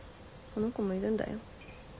この子もいるんだよ。